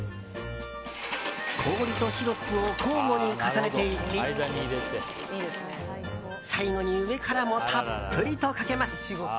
氷とシロップを交互に重ねていき最後に上からもたっぷりかけます。